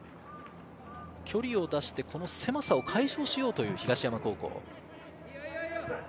距離を出して狭さを解消しようという東山高校。